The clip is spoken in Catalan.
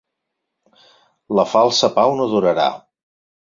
La falsa pau no durarà.